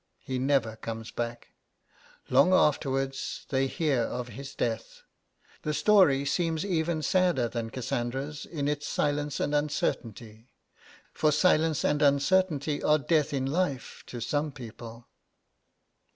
He never comes back: long afterwards they hear of his death. The story seems even sadder than Cassandra's in its silence and uncertainty, for silence and uncertainty are death in life to some people....